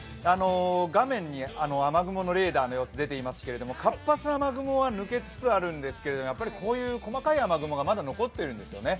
画面に雨雲のレーダーの様子が出ていますけれども、活発な雨雲は抜けつつあるんですがやっぱりこういう細かい雨雲がまだ残っているんですよね。